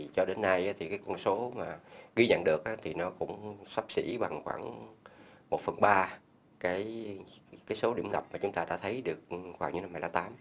cho đến nay con số ghi nhận được cũng sắp xỉ bằng khoảng một phần ba số điểm ngập mà chúng ta đã thấy được khoảng những năm hai nghìn tám